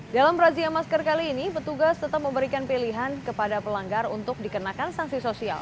dalam razia masker kali ini petugas tetap memberikan pilihan kepada pelanggar untuk dikenakan sanksi sosial